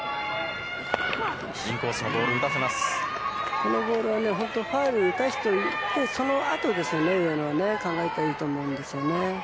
このボールファウルを打たせてそのあとですよね考えたらいいと思うんですよね。